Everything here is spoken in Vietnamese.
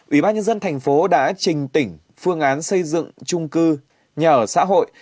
ubnd tp đã trình tỉnh phương án xây dựng chung cư nhà ở xã hội